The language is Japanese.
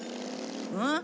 うん？